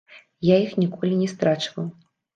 Я іх ніколі не страчваў.